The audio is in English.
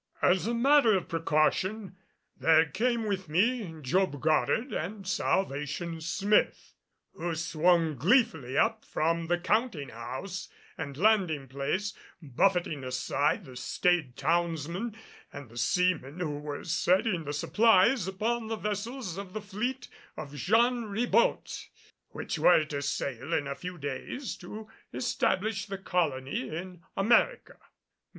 As a matter of precaution there came with me Job Goddard and Salvation Smith who swung gleefully up from the counting house and landing place, buffeting aside the staid townsmen and the seamen who were setting the supplies upon the vessels of the fleet of Jean Ribault which were to sail in a few days to establish the colony in America.